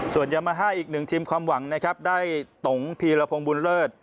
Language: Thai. ส่วนยามาฮ่าอีกหนึ่งทีมความหวังนะครับได้ตงพีรพงศ์บุญเลิศ